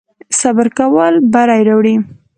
صبر کول بری راوړي